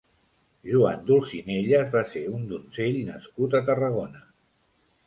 Joan d'Olzinelles va ser un donzell nascut a Tarragona.